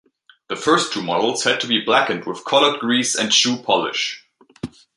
The first two models had to be blackened with colored grease and shoe polish.